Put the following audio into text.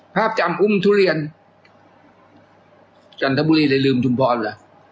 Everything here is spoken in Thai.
ภาพจำอุ้มทุเรียนจันทบุรีเลยลืมชุมพรเหรอ